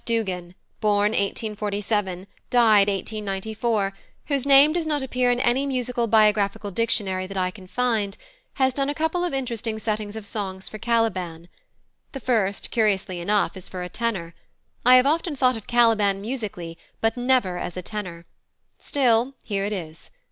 Duggan+, born 1847, died 1894, whose name does not appear in any musical biographical dictionary that I can find, has done a couple of interesting settings of songs for Caliban. The first, curiously enough, is for a tenor: I have often thought of Caliban musically, but never as a tenor; still, here it is.